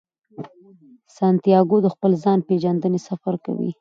سانتیاګو د خپل ځان پیژندنې سفر کوي.